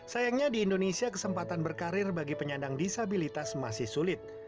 sayangnya di indonesia kesempatan berkarir bagi penyandang disabilitas masih sulit